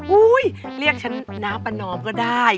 เรียกฉันน้าประนอมก็ได้